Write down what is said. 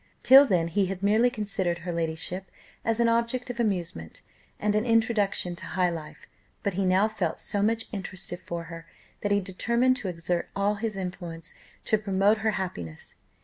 Till then, he had merely considered her ladyship as an object of amusement, and an introduction to high life; but he now felt so much interested for her, that he determined to exert all his influence to promote her happiness.